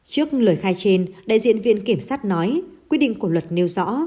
trước lời khai trên đại diện viện kiểm sát nói quy định của luật nêu rõ